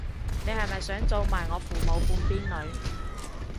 你係咪想做埋我父母半邊女